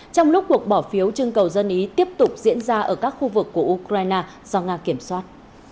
trong lúc cuộc bỏ phiếu chân cầu dân ý tiếp tục diễn ra ở các khu vực của ukraine do nga kiểm soát